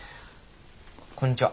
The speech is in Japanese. こんにちは。